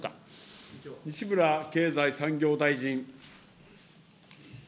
西村経済産業大臣。